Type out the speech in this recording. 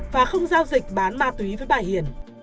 và không giao dịch bán ma túy với bà hiền